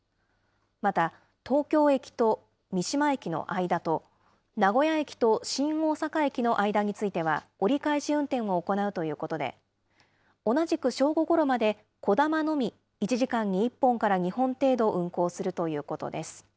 また、東京駅と三島駅の間と、名古屋駅と新大阪駅の間については、折り返し運転を行うということで、同じく正午ごろまで、こだまのみ、１時間に１本から２本程度運行するということです。